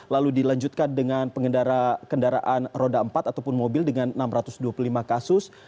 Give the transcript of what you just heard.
lalu dilanjutkan dengan pengendara kendaraan roda empat ataupun mobil dengan enam ratus dua puluh lima kasus